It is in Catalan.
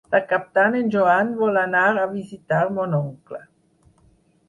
Per Cap d'Any en Joan vol anar a visitar mon oncle.